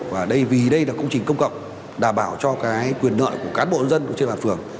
và vì đây là công trình công cộng đảm bảo cho cái quyền nợ của cán bộ nhân dân trên an phường